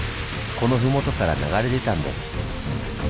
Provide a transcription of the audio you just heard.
このふもとから流れ出たんです。